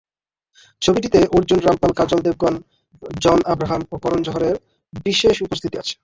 ছবিটিতে Arjun Rampal, Kajol Devgan, John Abraham ও করন জোহরের বিশেষ উপস্থিতি আছে।